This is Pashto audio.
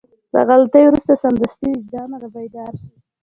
له غلطي وروسته سمدستي وجدان رابيدار شي.